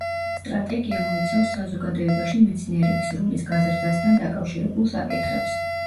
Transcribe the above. სტრატეგია მოიცავს საზოგადოებაში მეცნიერების როლის გაზრდასთან დაკავშირებულ საკითხებს.